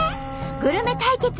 グルメ対決